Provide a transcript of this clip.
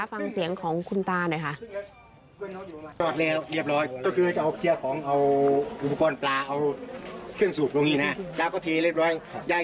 ฟังเสียงของคุณตาหน่อยค่ะ